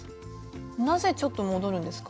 なぜちょっと戻るんですか？